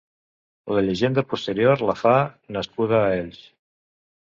La llegenda posterior la fa nascuda a Elx.